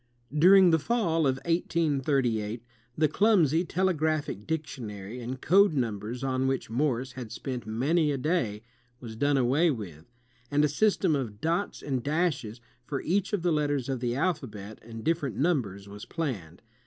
During the fall of 1838, the clmnsy telegraphic dic tionary and code nimibers on which Morse had spent many a day was done away with, and a system of dots and dashes for each of the letters of the alphabet and different niunbers was planned.